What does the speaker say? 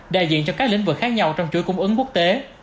đại diện cho các lĩnh vực khác nhau trong chuỗi cung ứng quốc tế